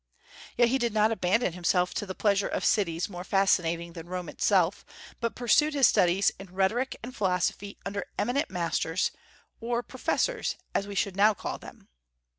Yet he did not abandon himself to the pleasures of cities more fascinating than Rome itself, but pursued his studies in rhetoric and philosophy under eminent masters, or "professors" as we should now call them.